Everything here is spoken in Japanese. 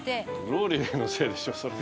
ローリエのせいでしょそれ。